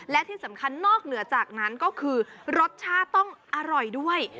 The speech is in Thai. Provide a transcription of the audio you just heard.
และที่สำคัญนอกเหนือจากนั้นก็คือรสชาติต้องอร่อยด้วย